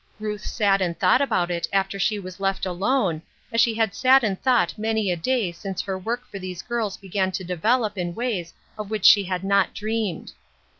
Ruth sat and thought about it after she was left alone, as she had sat and thought many a day since her work for these girls began to develop in ways of which she had not dreamed.